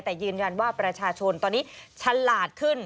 แต่ยืนยันว่าประชาชนตอนนี้ฉลาดขึ้น